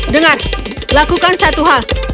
dengar lakukan satu hal